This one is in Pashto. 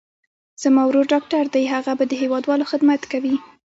زما ورور ډاکټر دي، هغه به د هېوادوالو خدمت کوي.